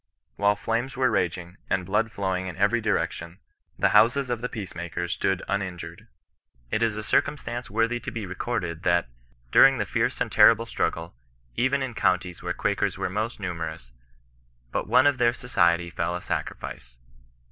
While flames were raging, and blood flowing in every direction, the houses of the peace makers stood uninjured. It is a circumstance worthy to be recorded, that, during the fierce and terrible struggle, even in counties where Quakers were most niunerous, but one of their society fell a sacrifice.